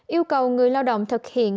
yêu cầu người lao động thực hiện